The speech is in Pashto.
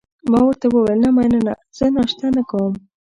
ما ورته وویل: نه، مننه، زه ناشته نه کوم.